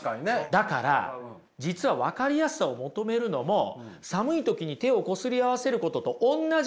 だから実は分かりやすさを求めるのも寒い時に手をこすり合わせることとおんなじなんですよ。